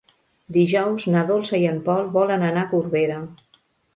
Dijous na Dolça i en Pol volen anar a Corbera.